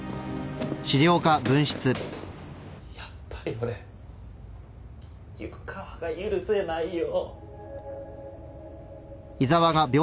やっぱり俺湯川が許せないよ。